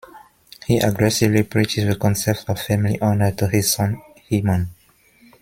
He aggressively preaches the concept of family honor to his son, Haemon.